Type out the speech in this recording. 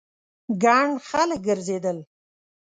ګڼ خلک ګرځېدل.